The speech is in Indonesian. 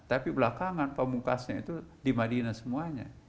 tapi belakangan pamungkasnya itu di madinah semuanya